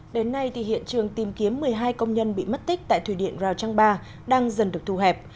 đến nay hiện trường tìm kiếm một mươi hai công nhân bị mất tích tại thủy điện rào trang ba đang dần được thu hẹp